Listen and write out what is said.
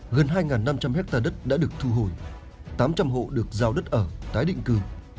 gần hai năm trăm linh hectare đất đã được thu hồi tám trăm linh hộ được giao đất ở tái định cư